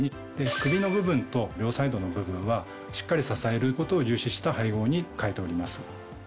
首の部分と両サイドの部分はしっかり支えることを重視した配合に変えております。